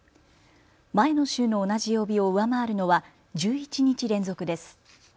前の週の同じ曜日を上回るのは１１日連続です。